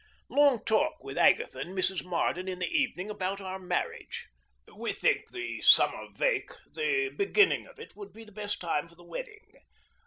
Long talk with Agatha and Mrs. Marden in the evening about our marriage. We think that the summer vac. (the beginning of it) would be the best time for the wedding.